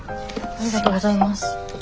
ありがとうございます。